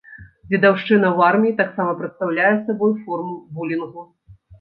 Дзедаўшчына ў арміі таксама прадстаўляе сабой форму булінгу.